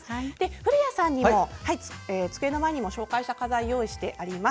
古谷さんにも机の前に、紹介した花材を用意してあります。